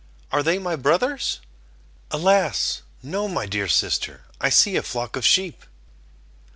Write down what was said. "Are they my brothers?" "Alas! no, my dear sister, I see a flock of sheep."